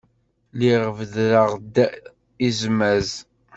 Lliɣ beddreɣ-d izmaz.